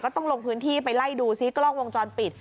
ต้องลงพื้นที่ไปไล่ดูซิกล้องวงจรปิด